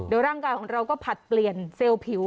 โดยร่างกายของเราก็ผลัดเปลี่ยนเซลล์ผิว